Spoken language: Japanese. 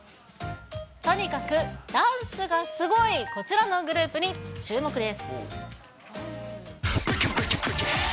とにかくダンスがすごいこちらのグループに注目です。